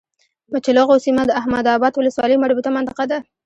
مچلغو سيمه د احمداباد ولسوالی مربوطه منطقه ده